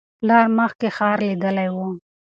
پلار مخکې ښار لیدلی و.